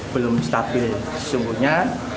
belum stabil sesungguhnya